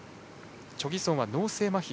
チョ・ギソンは脳性まひ。